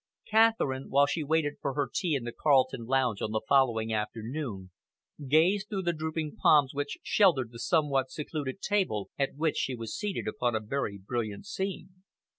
Catherine, while she waited for her tea in the Carlton lounge on the following afternoon, gazed through the drooping palms which sheltered the somewhat secluded table at which she was seated upon a very brilliant scene.